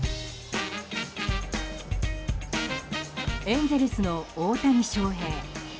エンゼルスの大谷翔平。